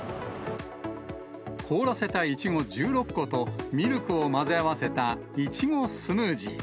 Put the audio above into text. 凍らせたいちご１６個とミルクを混ぜ合わせた苺スムージー。